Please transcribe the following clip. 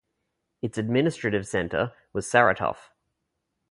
Its administrative centre was Saratov.